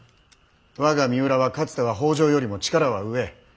我が三浦はかつては北条よりも力は上。